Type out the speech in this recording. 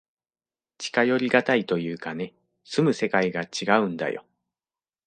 近寄りがたいというかね、住む世界がちがうんだよ。